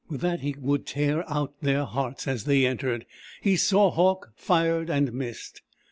With that he would tear out their hearts as they entered. He saw Hauck, fired and missed.